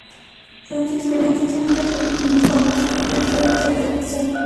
En consecuencia, experimenta mucho tráfico comercial fronterizo.